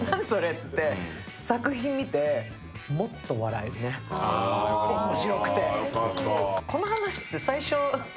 って、作品見てもっと笑えるね、面白くて。